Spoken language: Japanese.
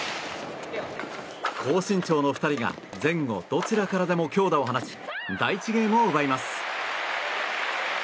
高身長の２人が前後どちらからでも強打を放ち第１ゲームを奪います。